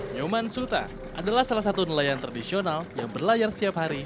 nyoman suta adalah salah satu nelayan tradisional yang berlayar setiap hari